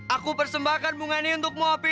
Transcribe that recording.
aku persembahkan bunga ini untukmu api